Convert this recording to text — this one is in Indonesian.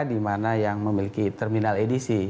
dimana yang memiliki terminal edisi